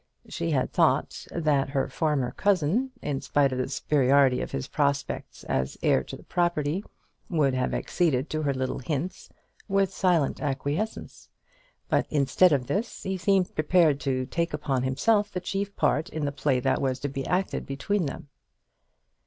She had thought that her farmer cousin, in spite of the superiority of his prospects as heir to the property, would have acceded to her little hints with silent acquiescence; but instead of this he seemed prepared to take upon himself the chief part in the play that was to be acted between them.